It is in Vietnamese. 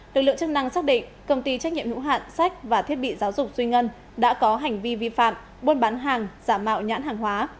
lực lượng chức năng xác định công ty trách nhiệm hữu hạn sách và thiết bị giáo dục suy ngân đã có hành vi vi phạm buôn bán hàng giả mạo nhãn hàng hóa